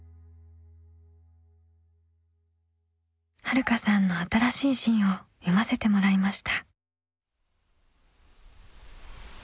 はるかさんの新しい「ＺＩＮＥ」を読ませてもらいました。